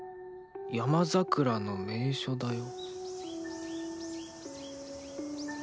山桜の名所だよ。